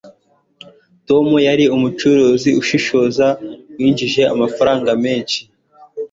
tom yari umucuruzi ushishoza winjije amafaranga menshi